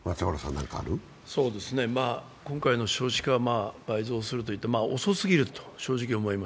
今回の少子化、倍増するといって、遅すぎると正直思います。